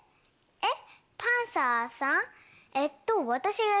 えっ？